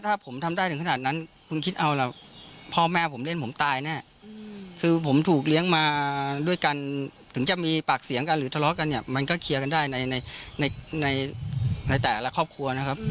ถ้าผมทำได้ถึงขนาดนั้นคุณคิดเอาล่ะพ่อแม่ผมเล่นผมตายแน่คือผมถูกเลี้ยงมาด้วยกันถึงจะมีปากเสียงกันหรือทะเลาะกันเนี่ยมันก็เคลียร์กันได้ในในแต่ละครอบครัวนะครับ